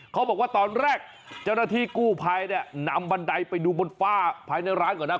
เขาบอกว่าตอนแรกเจ้าหน้าที่กู้ภัยเนี่ยนำบันไดไปดูบนฝ้าภายในร้านก่อนนะ